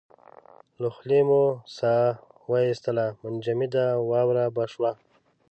له خولې به مو ساه واېستله منجمده واوره به شوه.